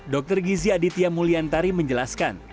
dr gizi aditya mulyantari menjelaskan